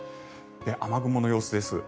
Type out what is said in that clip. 雨雲の様子です。